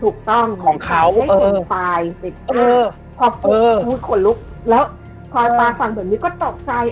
ถูกต้องให้ฝนตายพอฝนลุกแล้วพอป่าฝังแบบนี้ก็ตกใจ